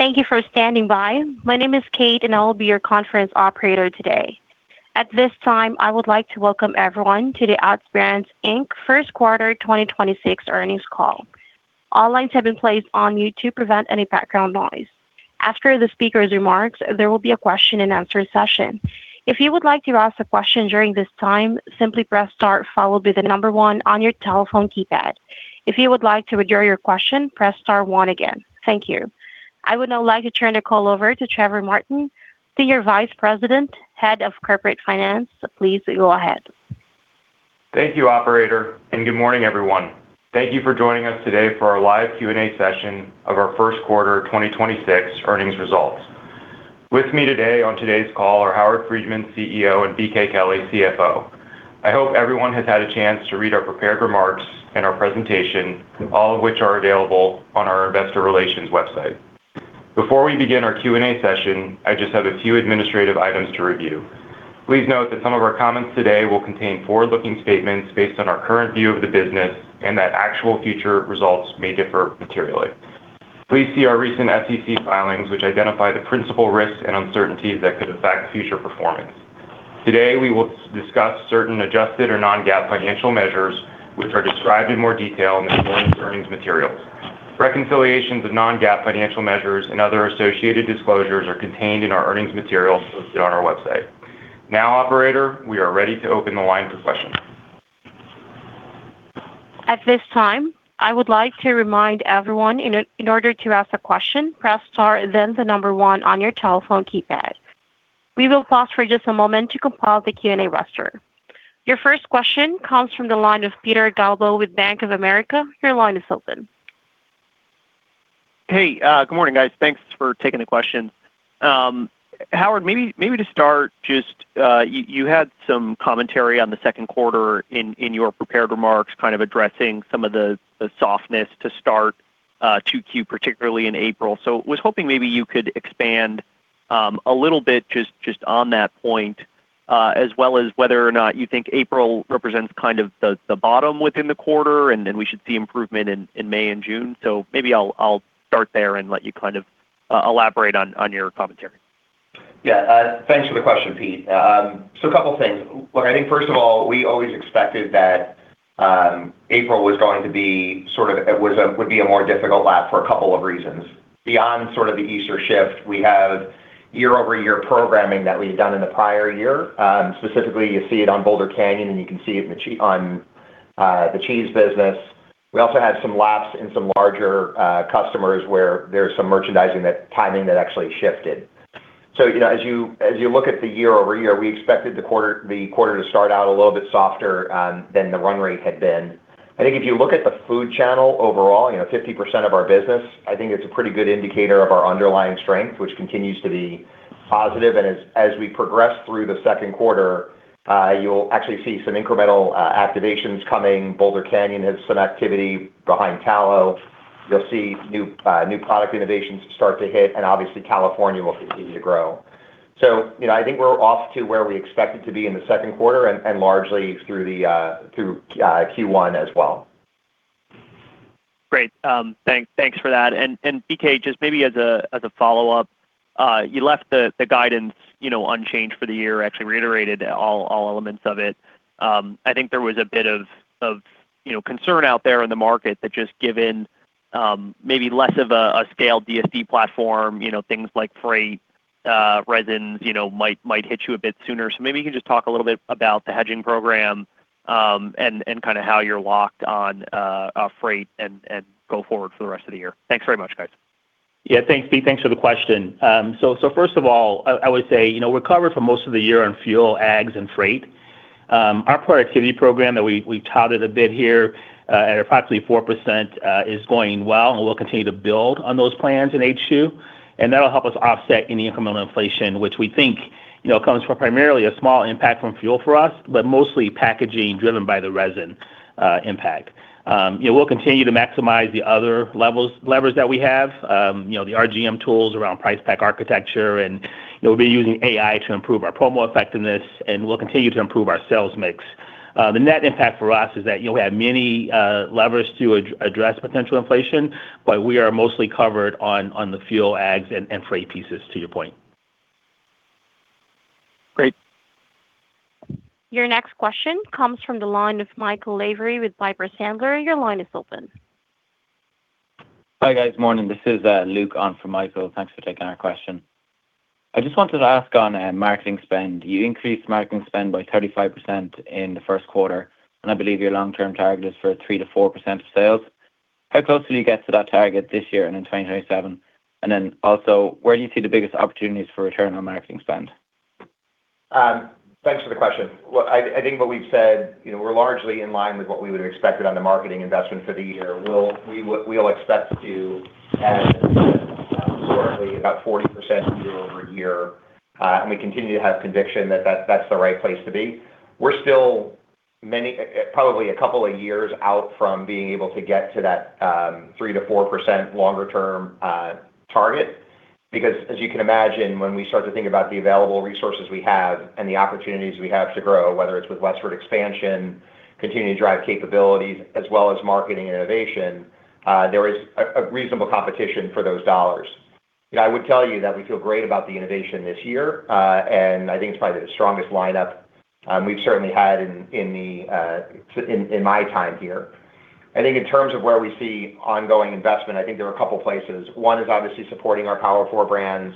Thank you for standing by. My name is Kate and I will be your conference operator today. At this time, I would like to welcome everyone to the Utz Brands Inc. first quarter 2026 earnings call. All lines have been placed on mute to prevent any background noise. After the speaker's remarks, there will be a question and answer session. If you would like to ask a question during this time, simply press star followed by the number 1 on your telephone keypad. If you would like to withdraw your question, press star 1 again, thank you. I would now like to turn the call over to Trevor Martin, Senior Vice President, Head of Corporate Finance. Please go ahead. Thank you, operator and good morning, everyone. Thank you for joining us today for our live Q&A session of our first quarter 2026 earnings results. With me today on today's call are Howard Friedman, CEO, and BK Kelley, CFO. I hope everyone has had a chance to read our prepared remarks and our presentation all of which are available on our investor relations website. Before we begin our Q&A session, I just have a few administrative items to review. Please note that some of our comments today will contain forward-looking statements based on our current view of the business and that actual future results may differ materially. Please see our recent SEC filings which identify the principal risks and uncertainties that could affect future performance. Today, we will discuss certain adjusted or non-GAAP financial measures which are described in more detail in this morning's earnings materials. Reconciliations of non-GAAP financial measures and other associated disclosures are contained in our earnings materials listed on our website. Now, operator, we are ready to open the line for questions. At this time, I would like to remind everyone in order to ask a question press star 1 on your telephone keypad. We will pause for just a moment to compile the Q&A roster. Your first question comes from the line of Peter Galbo with Bank of America. Your line is open. Hey, good morning, guys. Thanks for taking the question. Howard, maybe to start just, you had some commentary on the second quarter in your prepared remarks, kind of addressing some of the softness to start 2Q particularly in April was hoping maybe you could expand a little bit just on that point, as well as whether or not you think April represents kind of the bottom within the quarter and then we should see improvement in May and June. Maybe I'll start there and let you kind of elaborate on your commentary. Yeah. Thanks for the question, Pete. A couple of things. Look, I think first of all, we always expected that April was going to be sort of it would be a more difficult lap for a couple of reasons. Beyond sort of the Easter shift, we have year-over-year programming that we've done in the prior year. Specifically, you see it on Boulder Canyon and you can see it on the cheese business, we also had some laps in some larger customers where there's some merchandising that timing that actually shifted. You know, as you look at the year-over-year, we expected the quarter to start out a little bit softer than the run rate had been. I think if you look at the food channel overall, you know, 50% of our business, I think it's a pretty good indicator of our underlying strength, which continues to be positive as we progress through the second quarter, you'll actually see some incremental activations coming, Boulder Canyon has some activity behind Tallow. You'll see new product innovations start to hit. Obviously, California will continue to grow, you know, I think we're off to where we expect it to be in the second quarter and largely through Q1 as well. Great. Thanks for that. BK Just maybe as a follow-up, you left the guidance, you know, unchanged for the year actually reiterated all elements of it. I think there was a bit of, you know, concern out there in the market that just given, maybe less of a scaled DSD platform, you know, things like freight, resins, you know, might hit you a bit sooner. Maybe you can just talk a little bit about the hedging program and kinda how you're locked on freight and go forward for the rest of the year. Thanks very much, guys. Yeah. Thanks, Pete. Thanks for the question. First of all, I would say, you know, we're covered for most of the year on fuel, ags, and freight. Our productivity program that we touted a bit here at approximately 4% is going well and we'll continue to build on those plans in H2. That'll help us offset any incremental inflation, which we think, you know, comes from primarily a small impact from fuel for us, but mostly packaging driven by the resin impact. You know, we'll continue to maximize the other levers that we have, you know, the RGM tools around price pack architecture, you know, we're using AI to improve our promo effectiveness and we'll continue to improve our sales mix. The net impact for us is that you'll have many levers to address potential inflation, but we are mostly covered on the fuel, ags, and freight pieces, to your point. Great. Your next question comes from the line of Michael Lavery with Piper Sandler. Your line is open. Hi, guys. Morning. This is Luke on for Michael. Thanks for taking our question. I just wanted to ask on marketing spend, you increased marketing spend by 35% in the first quarter and I believe your long-term target is for 3% to 4% of sales. How close will you get to that target this year and in 2027? Also, where do you see the biggest opportunities for return on marketing spend? Thanks for the question. I think what we've said, you know, we're largely in line with what we would have expected on the marketing investment for the year. We'll expect to add shortly about 40% year-over-year, we continue to have conviction that that's the right place to be. We're still many, probably a couple of years out from being able to get to that 3% to 4% longer term target. As you can imagine, when we start to think about the available resources we have and the opportunities we have to grow, whether it's with westward expansion, continuing to drive capabilities, as well as marketing innovation, there is a reasonable competition for those dollars. I would tell you that we feel great about the innovation this year, and I think it's probably the strongest lineup we've certainly had in my time here. I think in terms of where we see ongoing investment, I think there are a couple places. 1, is obviously supporting our Power Four brands,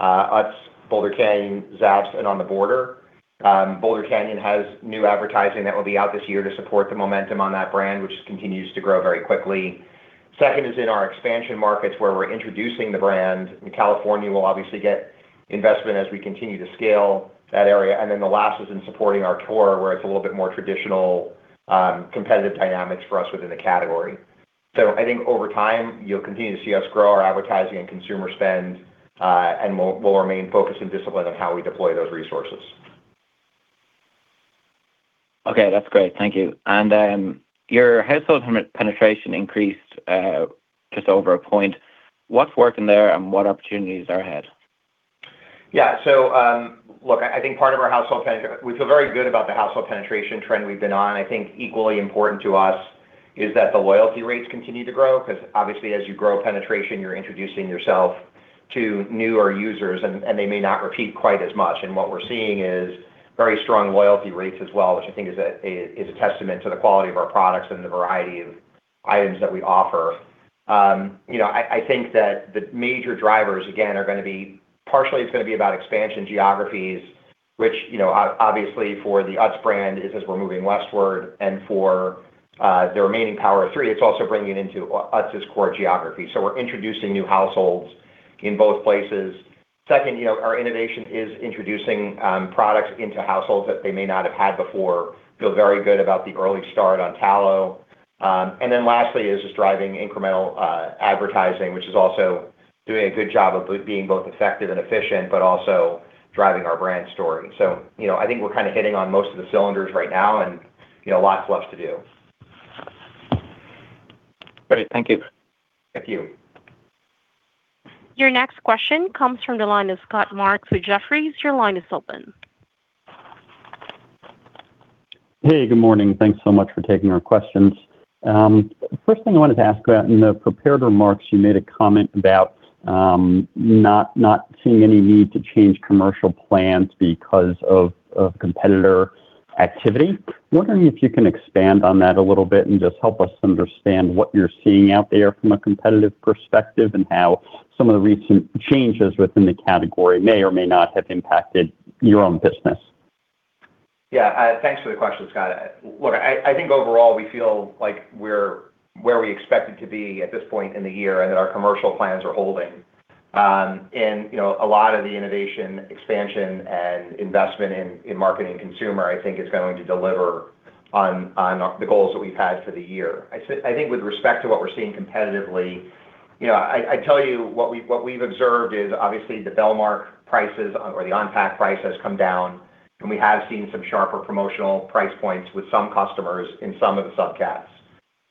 Utz, Boulder Canyon, Zapp's, and On the Border. Boulder Canyon has new advertising that will be out this year to support the momentum on that brand, which continues to grow very quickly. Second is in our expansion markets where we're introducing the brand. California will obviously get investment as we continue to scale that area. The last is in supporting our tour, where it's a little bit more traditional, competitive dynamics for us within the category. I think over time, you'll continue to see us grow our advertising and consumer spend, and we'll remain focused and disciplined on how we deploy those resources. Okay, that's great. Thank you. Your household penetration increased, just over a point. What's working there and what opportunities are ahead? Look, I think part of our household penetration we feel very good about the household penetration trend we've been on. I think equally important to us is that the loyalty rates continue to grow, 'cause obviously as you grow penetration, you're introducing yourself to newer users and they may not repeat quite as much. What we're seeing is very strong loyalty rates as well, which I think is a testament to the quality of our products and the variety of items that we offer. You know, I think that the major drivers, again, are gonna be partially it's gonna be about expansion geographies, which, you know, obviously for the Utz brand is as we're moving westward, and for the remaining Power Four, it's also bringing into Utz's core geography. We're introducing new households in both places, you know, our innovation is introducing products into households that they may not have had before. Feel very good about the early start on Tallow. Lastly is just driving incremental advertising, which is also doing a good job of being both effective and efficient, also driving our brand story, you know, I think we're kinda hitting on most of the cylinders right now, you know, lots left to do. Great. Thank you. Thank you. Your next question comes from the line of Scott Marks with Jefferies. Your line is open. Hey, good morning. Thanks so much for taking our questions. First thing I wanted to ask about in the prepared remarks, you made a comment about not seeing any need to change commercial plans because of competitor activity. Wondering if you can expand on that a little bit and just help us understand what you're seeing out there from a competitive perspective and how some of the recent changes within the category may or may not have impacted your own business. Yeah. Thanks for the question, Scott. Look, I think overall we feel like we're where we expected to be at this point in the year, and that our commercial plans are holding, you know, a lot of the innovation, expansion, and investment in marketing consumer, I think is going to deliver on the goals that we've had for the year. I think with respect to what we're seeing competitively, you know, I tell you what we've observed is obviously the benchmark prices or the on-pack price has come down and we have seen some sharper promotional price points with some customers in some of the subcats,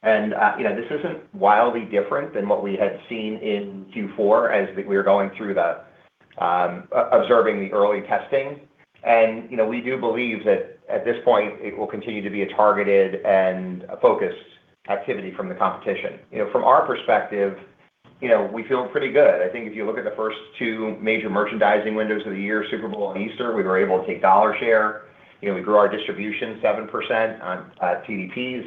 you know, this isn't wildly different than what we had seen in Q4 as we were going through the observing the early testing. You know, we do believe that at this point it will continue to be a targeted and a focused activity from the competition, you know, from our perspective, you know, we feel pretty good. I think if you look at the first 2 major merchandising windows of the year, Super Bowl and Easter, we were able to take dollar share, you know, we grew our distribution 7% on TDPs,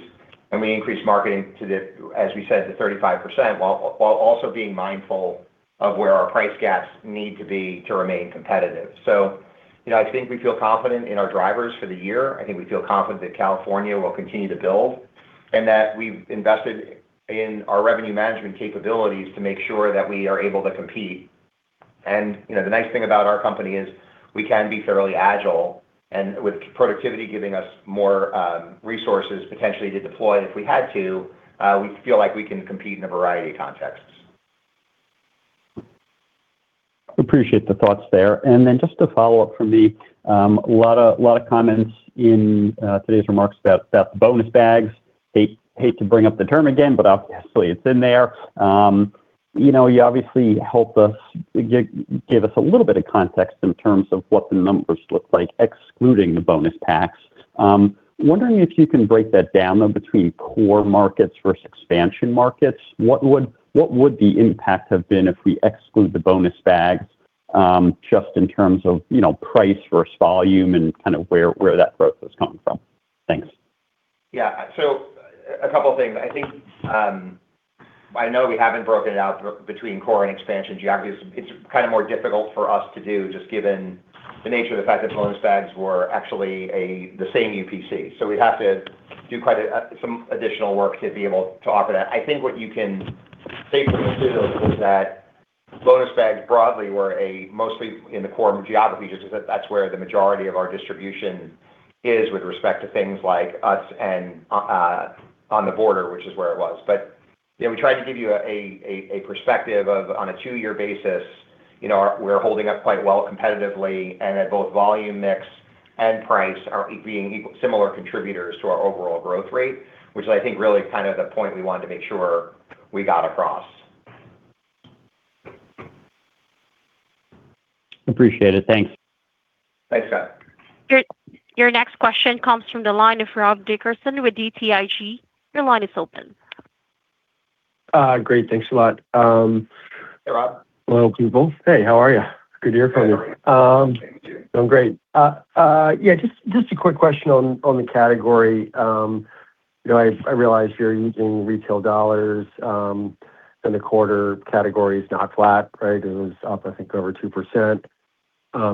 and we increased marketing to the, as we said, to 35%, while also being mindful of where our price gaps need to be to remain competitive. You know, I think we feel confident in our drivers for the year. I think we feel confident that California will continue to build and that we've invested in our revenue management capabilities to make sure that we are able to compete, you know, the nice thing about our company is we can be fairly agile and with productivity giving us more resources potentially to deploy if we had to, we feel like we can compete in a variety of contexts. Appreciate the thoughts there. Just to follow up from me, a lot of comments in today's remarks about the bonus packs. Hate to bring up the term again, obviously it's in there, you know, you obviously helped us give us a little bit of context in terms of what the numbers look like excluding the bonus packs. Wondering if you can break that down though, between core markets versus expansion markets. What would the impact have been if we exclude the bonus packs, just in terms of, you know, price versus volume and kind of where that growth was coming from? Thanks. A couple things. I think, I know we haven't broken it out between core and expansion geographies. It's kind of more difficult for us to do, just given the nature of the fact that bonus packs were actually the same UPC. We'd have to do some additional work to be able to offer that, I think what you can say from this is that bonus packs broadly were mostly in the core geographies, just because that's where the majority of our distribution is with respect to things like Utz and On the Border, which is where it was. you know, we tried to give you a, a perspective of, on a 2-year basis, you know, we're holding up quite well competitively and at both volume mix and price are being equal similar contributors to our overall growth rate, which I think really is kind of the point we wanted to make sure we got across. Appreciate it. Thanks. Thanks, Scott. Your next question comes from the line of Rob Dickerson with BTIG. Your line is open. Great. Thanks a lot. Hey, Rob. Well, people. Hey, how are you? Good to hear from you. How are you? I'm great. Yeah, just a quick question on the category. You know, I realize you're using retail dollars, in the quarter category is not flat, right? It was up, I think, over 2%,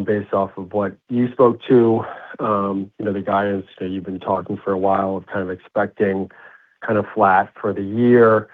based off of what you spoke to, you know, the guidance that you've been talking for a while of kind of expecting kind of flat for the year.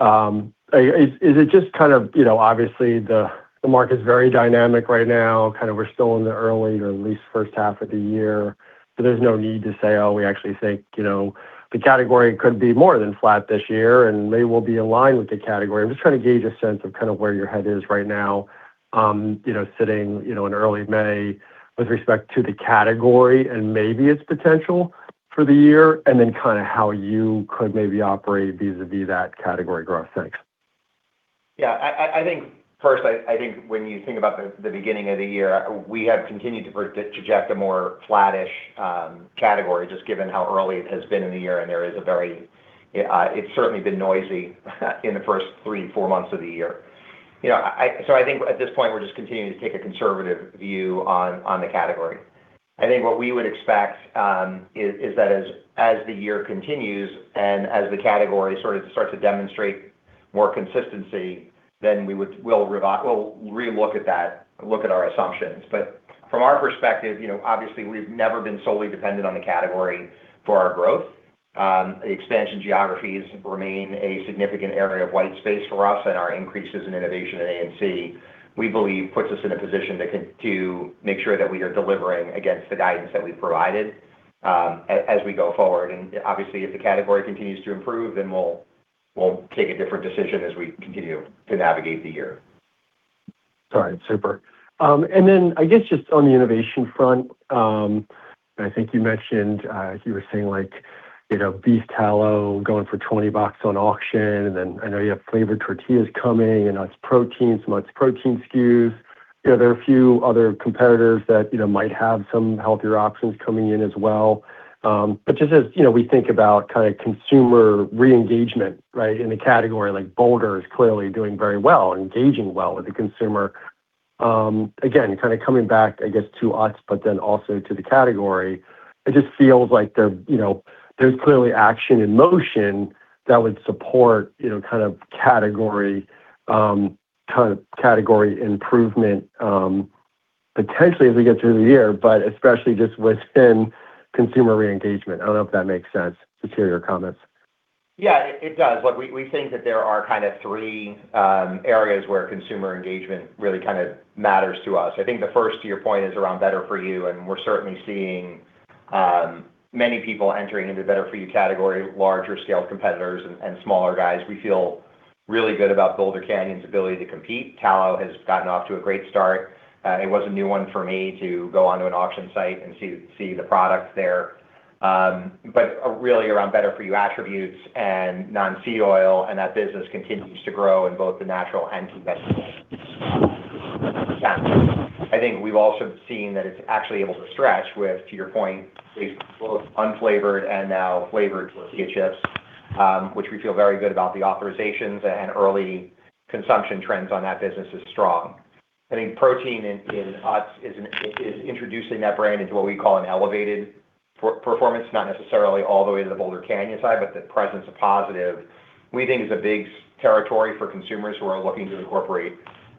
Is it just kind of, you know, obviously the market is very dynamic right now, kind of we're still in the early or at least first half of the year. There's no need to say, "Oh, we actually think, you know, the category could be more than flat this year," and they will be aligned with the category. I'm just trying to gauge a sense of kind of where your head is right now, you know, sitting, you know, in early May with respect to the category and maybe its potential for the year, then kind of how you could maybe operate vis-à-vis that category growth. Thanks. Yeah. I think first, I think when you think about the beginning of the year, we have continued to project a more flattish category just given how early it has been in the year and there is a very, it's certainly been noisy in the first 3 to 4 months of the year, you know, I think at this point we're just continuing to take a conservative view on the category. I think what we would expect is that as the year continues and as the category sort of starts to demonstrate more consistency, then we'll re-look at that, look at our assumptions. From our perspective, you know, obviously we've never been solely dependent on the category for our growth. Expansion geographies remain a significant area of white space for us and our increases in innovation at A&C, we believe puts us in a position to make sure that we are delivering against the guidance that we've provided as we go forward. Obviously, if the category continues to improve, then we'll take a different decision as we continue to navigate the year. All right. Super. I guess just on the innovation front, I think you mentioned, you were saying beef tallow going for $20 on auction. I know you have flavored tortillas coming, and Utz Protein, some Utz Protein SKUs. There are a few other competitors that might have some healthier options coming in as well. Just as we think about kind of consumer re-engagement in the category, Boulder is clearly doing very well, engaging well with the consumer. Again, kind of coming back, I guess to Utz, but then also to the category, it just feels like there, you know, there's clearly action in motion that would support, you know, kind of category, kind of category improvement, potentially as we get through the year, but especially just within consumer re-engagement. I don't know if that makes sense to hear your comments? Yeah, it does. Like we think that there are kind of 3 areas where consumer engagement really kind of matters to us. I think the first to your point is around better for you and we're certainly seeing many people entering into better for you category, larger scale competitors and smaller guys. We feel really good about Boulder Canyon's ability to compete. Tallow has gotten off to a great start. It was a new one for me to go onto an auction site and see the product there. Really around better for you attributes and non-seed oil and that business continues to grow in both the natural and conventional sense. I think we've also seen that it's actually able to stretch with, to your point, both unflavored and now flavored tortilla chips, which we feel very good about the authorizations and early consumption trends on that business is strong. I think protein in Utz is introducing that brand into what we call an elevated per-performance, not necessarily all the way to the Boulder Canyon side, but the presence of positive we think is a big territory for consumers who are looking to incorporate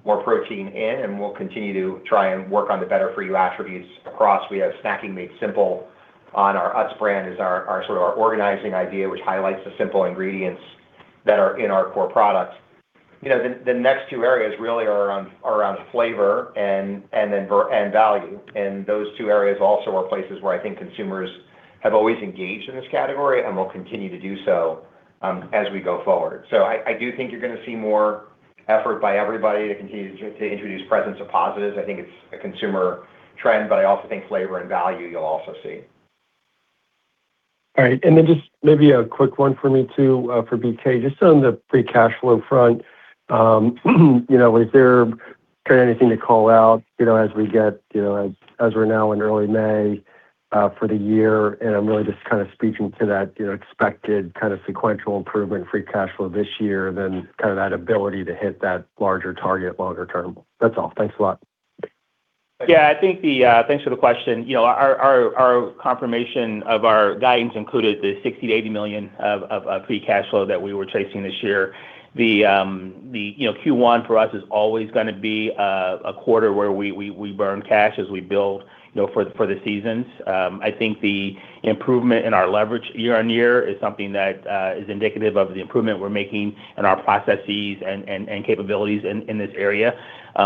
more protein in and we'll continue to try and work on the better for you attributes across. We have Snacking Made Simple on our Utz brand is our sort of our organizing idea, which highlights the simple ingredients that are in our core products. You know, the next 2 areas really are around flavor and value and those 2 areas also are places where I think consumers have always engaged in this category and will continue to do so as we go forward. I do think you're gonna see more effort by everybody to continue to introduce presence of positives, I think it's a consumer trend, but I also think flavor and value you'll also see. All right. Then just maybe a quick one for me too for BK, just on the free cash flow front, you know, is there kind of anything to call out, you know, as we get, you know, as we're now in early May for the year? I'm really just kind of speaking to that, you know, expected kind of sequential improvement in free cash flow this year then kind of that ability to hit that larger target longer term. That's all. Thanks a lot. Yeah. Thanks for the question. You know, our confirmation of our guidance included the $60 million-$80 million of free cash flow that we were chasing this year, you know, Q1 for us is always going to be a quarter where we burn cash as we build, you know, for the seasons. I think the improvement in our leverage year-over-year is something that is indicative of the improvement we're making in our processes and capabilities in this area.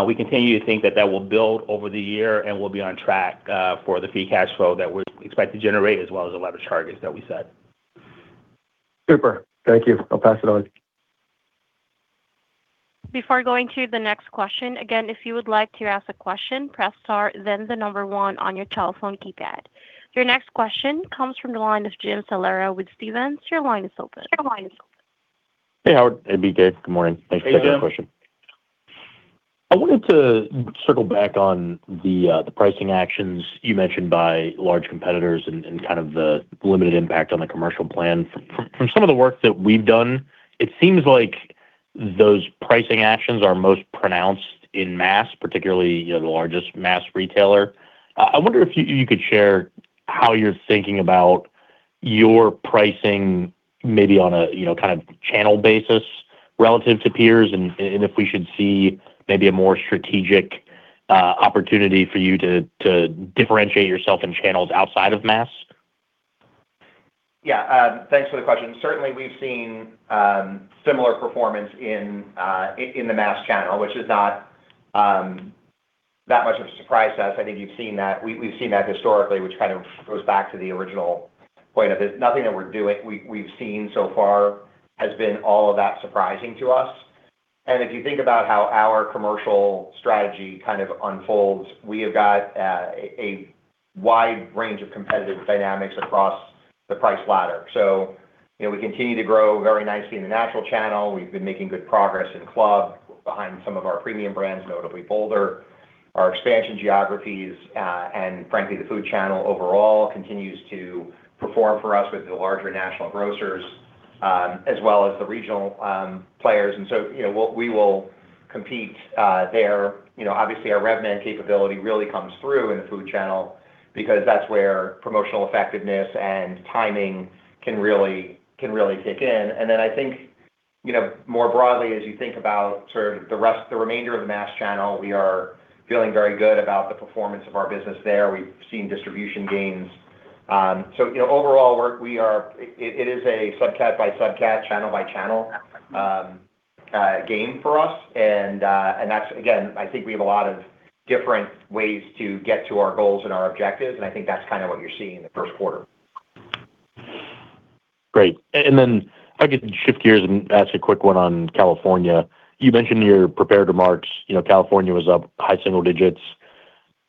We continue to think that that will build over the year and we'll be on track for the free cash flow that we expect to generate as well as the leverage targets that we set. Super. Thank you. I'll pass it on. Before going to the next question, again, if you would like to ask a question, press star then 1 on your telephone keypad. Your next question comes from the line of Jim Salera with Stephens. Your line is open. Hey, Howard. It'd be good. Good morning. Thanks for taking the question. Hey, Jim. I wanted to circle back on the pricing actions you mentioned by large competitors and kind of the limited impact on the commercial plan. From some of the work that we've done, it seems like those pricing actions are most pronounced in mass, particularly, you know, the largest mass retailer. I wonder if you could share how you're thinking about your pricing maybe on a, you know, kind of channel basis relative to peers and if we should see maybe a more strategic opportunity for you to differentiate yourself in channels outside of mass. Thanks for the question. Certainly, we've seen similar performance in the mass channel, which is not that much of a surprise to us. I think you've seen that we've seen that historically, which kind of goes back to the original point of this, nothing that we've seen so far has been all of that surprising to us. If you think about how our commercial strategy kind of unfolds, we have got a wide range of competitive dynamics across the price ladder, you know, we continue to grow very nicely in the national channel. We've been making good progress in club behind some of our premium brands, notably Boulder Canyon. Our expansion geographies and frankly, the food channel overall continues to perform for us with the larger national grocers, as well as the regional players, you know, we will compete there, you know, obviously our RevMan capability really comes through in the food channel because that's where promotional effectiveness and timing can really kick in. I think, you know, more broadly, as you think about sort of the remainder of the mass channel, we are feeling very good about the performance of our business there, we've seen distribution gains, you know, overall, we are It is a subcat by subcat, channel by channel game for us. That's again, I think we have a lot of different ways to get to our goals and our objectives and I think that's kind of what you're seeing in the first quarter. Great. Then if I could shift gears and ask a quick one on California. You mentioned you're prepared to march, you know, California was up high single digits.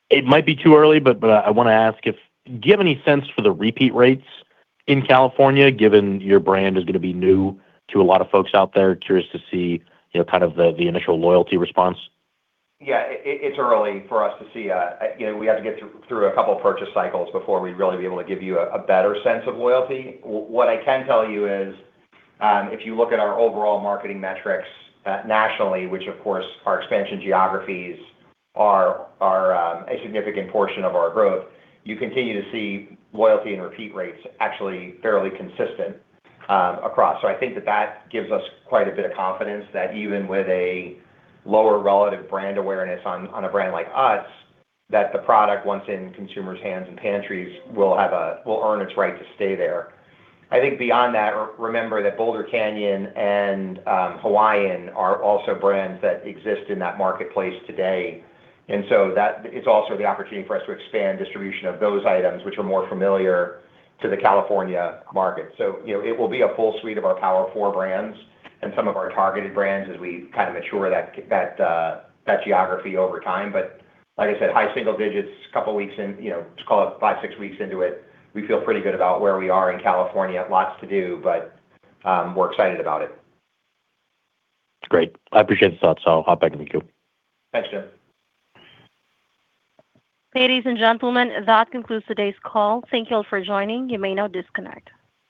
It might be too early, but I wanna ask if, do you have any sense for the repeat rates in California given your brand is gonna be new to a lot of folks out there? Curious to see, you know, kind of the initial loyalty response. Yeah. It's early for us to see, you know, we have to get through a couple of purchase cycles before we'd really be able to give you a better sense of loyalty. What I can tell you is, if you look at our overall marketing metrics, nationally, which of course our expansion geographies are a significant portion of our growth, you continue to see loyalty and repeat rates actually fairly consistent across. I think that gives us quite a bit of confidence that even with a lower relative brand awareness on a brand like Utz, that the product once in consumers' hands and pantries, will earn its right to stay there. I think beyond that, remember that Boulder Canyon and Hawaiian are also brands that exist in that marketplace today. That's also the opportunity for us to expand distribution of those items, which are more familiar to the California market. You know, it will be a full suite of our Power Four brands and some of our targeted brands as we kind of mature that geography over time. Like I said, high single digits, couple weeks in, you know, let's call it 5, 6 weeks into it, we feel pretty good about where we are in California. Lots to do, we're excited about it. That's great. I appreciate the thoughts. I'll hop back with you. Thanks, Jim. Ladies and gentlemen, that concludes today's call. Thank you all for joining. You may now disconnect.